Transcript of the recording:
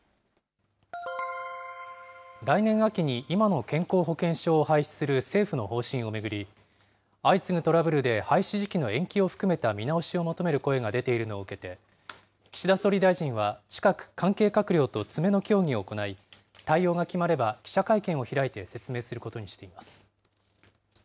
来年秋に今の健康保険証を廃止する政府の方針を巡り、相次ぐトラブルで廃止時期の延期を含めた見直しを求める声が出ているのを受けて、岸田総理大臣は近く、関係閣僚と詰めの協議を行い、対応が決まれば、記者会見を開いて説明することにしています。